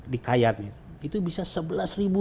di kayan itu bisa sebelas ribu